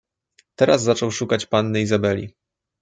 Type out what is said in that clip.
"Teraz zaczął szukać panny Izabeli."